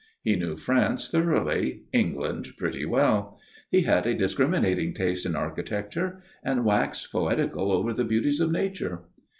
He knew France thoroughly, England pretty well; he had a discriminating taste in architecture, and waxed poetical over the beauties of Nature.